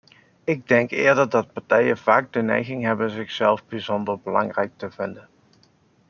Ik denk eerder dat partijen vaak de neiging hebben zichzelf bijzonder belangrijk te vinden.